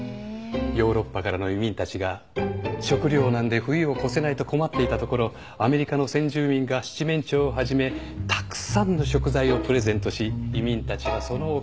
ヨーロッパからの移民たちが食糧難で冬を越せないと困っていたところアメリカの先住民が七面鳥をはじめたくさんの食材をプレゼントし移民たちはそのおかげで。